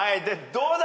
どうだ？